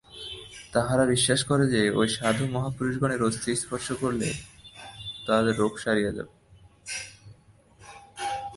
তাহারা বিশ্বাস করে যে, ঐ সাধু-মহাপুরুষগণের অস্থি স্পর্শ করিলে তাহাদের রোগ সারিবে।